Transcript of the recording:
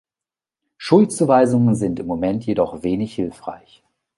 Schuldzuweisungen sind im Moment jedoch wenig hilfreich.